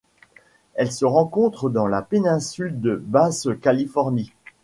Elles se rencontrent dans la péninsule de Basse-Californie.